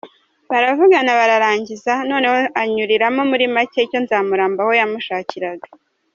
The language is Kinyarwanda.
Baravugana bararangiza, noneho anyuriramo muri make icyo Nzamurambaho yamushakiraga.